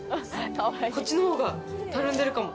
こっちの方がたるんでるかも。